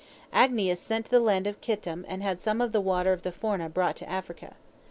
Agnias sent to the land of Kittim and had some of the water of the Forma brought to Africa.